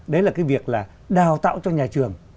đấy là cái việc là đào tạo cho nhà trường